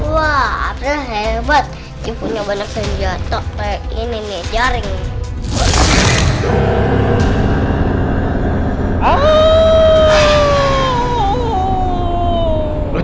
wah hebat punya banyak senjata kayak gini jaring